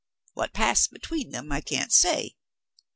What passed between them I can't say.